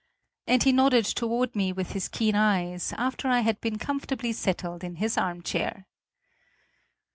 and he nodded toward me with his keen eyes, after I had been comfortably settled in his armchair.